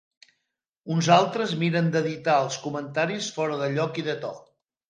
Uns altres miren d’editar els comentaris fora de lloc i de to.